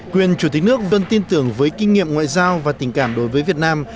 quyền chủ tịch nước luôn tin tưởng với kinh nghiệm ngoại giao và tình cảm đối với việt nam